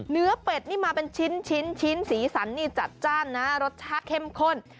เนื้อเป็ดนี่มาเป็นชิ้นสีสันจัดจ้านรสชาติเข้มข้น